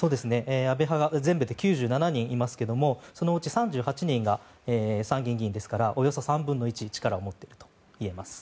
安倍派が全部で９７人いますけどそのうち３８人が参議院議員ですからおよそ３分の１力を持っていると言えます。